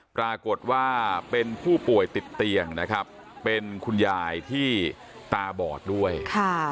ปรากฏว่าเป็นผู้ป่วยติดเตียงนะครับเป็นคุณยายที่ตาบอดด้วยค่ะ